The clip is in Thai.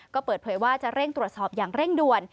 ก็เปิดเผยว่าจะเร่งตรวจสอบอย่างเร่งด่วน